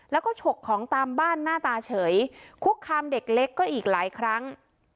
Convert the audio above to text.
แล้วก็ฉกของตามบ้านหน้าตาเฉยคุกคามเด็กเล็กก็อีกหลายครั้ง